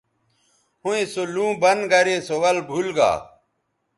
ھویں سو لُوں بند گرے سو ول بُھول گا